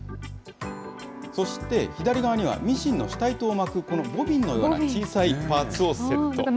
そして、左側にはミシンの下糸を巻くこのボビンのような小さいパーツをセット。